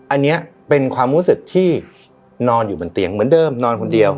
อันนี้เป็นความรู้สึกที่นอนอยู่บนเตียงเหมือนเดิมนอนคนเดียว